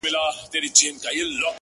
اوس و شپې ته هيڅ وارخطا نه يمه;